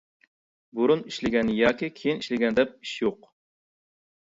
بۇرۇن ئىشلىگەن ياكى كېيىن ئىشلىگەن دەپ ئىش يوق.